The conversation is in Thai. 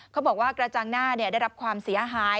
เขาบอกว่ากระจังหน้าได้รับความเสียหาย